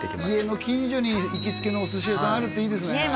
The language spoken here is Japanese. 家の近所に行きつけのお寿司屋さんあるっていいですね